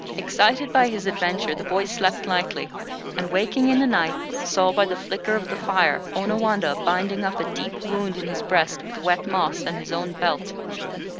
Excited by his adventure, the boy slept lightly, and waking in the night, saw by the flicker of the fire Onawandah binding up a deep wound in his breast with wet moss and his own belt.